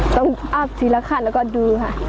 ต้องอ้ำทีละขั้นแล้วก็ดูค่ะ